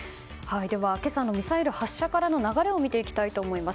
今朝のミサイル発射からの流れを見ていきたいと思います。